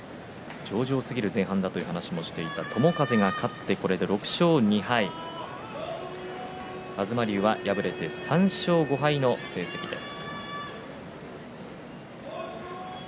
上々すぎる前半だと話していた友風が勝って６勝２敗東龍は敗れて３勝５敗の成績です。